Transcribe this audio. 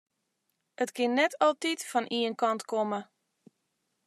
It kin net altyd fan ien kant komme.